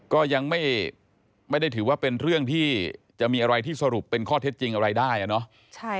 ก็ยังไม่ได้ถือว่าเป็นเรื่องที่จะมีอะไรที่สรุปเป็นข้อเท็จจริงอะไรได้อะเนาะ